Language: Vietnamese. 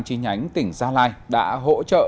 chi nhánh tỉnh gia lai đã hỗ trợ